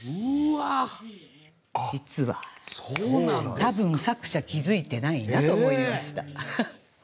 多分作者気付いてないなと思いました。